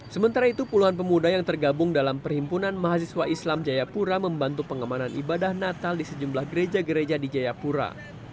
sementara itu puluhan pemuda yang tergabung dalam perhimpunan mahasiswa islam jayapura membantu pengamanan ibadah natal di sejumlah gereja gereja di jayapura